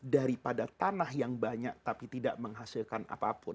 daripada tanah yang banyak tapi tidak menghasilkan apa apa